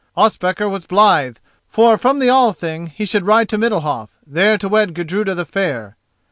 Ospakar was blithe, for from the Thing he should ride to Middalhof, there to wed Gudruda the Fair.